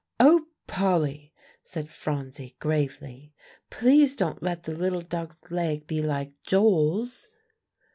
"Oh, Polly!" said Phronsie gravely, "please don't let the little duck's leg be like Joel's."